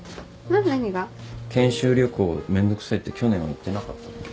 研修旅行めんどくさいって去年は言ってなかったっけ？